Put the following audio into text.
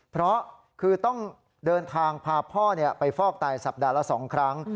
เพราะคือต้องเดินทางพาพ่อไปฟอกไตสัปดาห์ละ๒ครั้ง